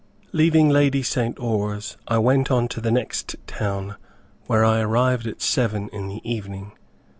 Leaving Lady St. Oars, I went on to the next town where I arrived at seven in the evening.